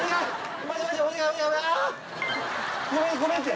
ごめんごめんって。